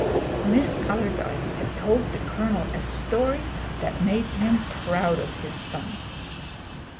Miss Allardyce had told the Colonel a story that made him proud of his son.